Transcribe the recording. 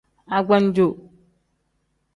Agbannjo.